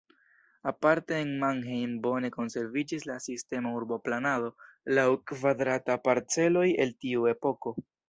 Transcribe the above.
Aparte en Mannheim bone konserviĝis la sistema urboplanado laŭ kvadrataj parceloj el tiu epoko.